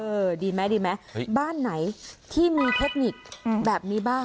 ดีไหมดีไหมบ้านไหนที่มีเทคนิคแบบนี้บ้าง